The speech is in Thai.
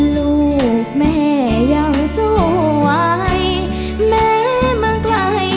ลูกแม่ยังสวยแม่มันกลาย